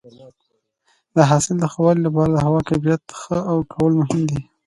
د حاصل د ښه والي لپاره د هوا کیفیت ښه کول مهم دي.